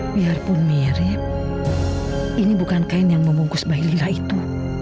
biarpun mirip ini bukan kain yang membungkus bayi lila itu